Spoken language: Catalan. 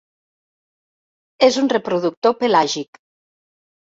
És un reproductor pelàgic.